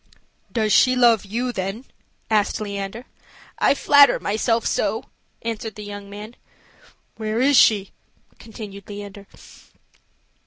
"Does she love you, then?" asked Leander. "I flatter myself so," answered the young man. "Where is she?" continued Leander.